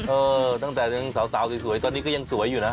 เออตั้งแต่ยังสาวสวยตอนนี้ก็ยังสวยอยู่นะ